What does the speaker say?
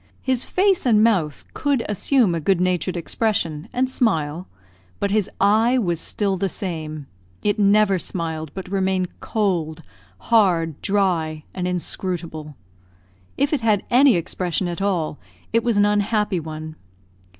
His face and mouth could assume a good natured expression, and smile; but his eye was still the same it never smiled, but remained cold, hard, dry, and inscrutable. If it had any expression at all, it was an unhappy one.